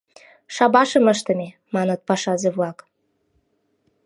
— Шабашым ыштыме, — маныт пашазе-влак.